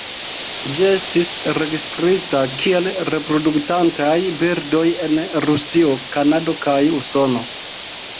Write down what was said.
Ĝi estis registrita kiel reproduktantaj birdoj en Rusio, Kanado kaj Usono.